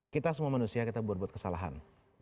kita semua manusia kita buat buat kesalahan